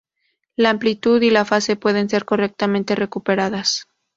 La amplitud y la fase pueden ser correctamente recuperadas.